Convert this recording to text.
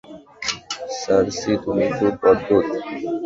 সার্সি, তুমি খুব অদ্ভুদ!